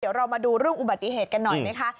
เดี๋ยวเรามาดูเรื่องอุบัติเหตุกันหน่อยไหมคะ